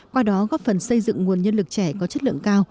qua đó góp phần xây dựng nguồn nhân lực trẻ có chất lượng cao